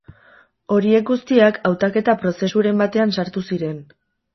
Horiek guztiak hautaketa-prozesuren batean sartu ziren.